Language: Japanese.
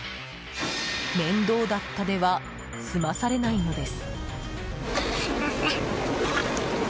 面倒だったでは済まされないのです。